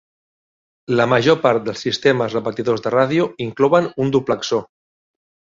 La major part dels sistemes repetidors de ràdio inclouen un duplexor.